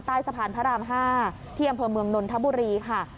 ใต้สะพานพระราม๕ที่อำเภอเมืองนนทบุรีค่ะ